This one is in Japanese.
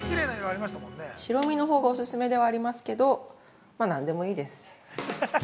◆白身のほうがオススメではありますけど、何でもいいです。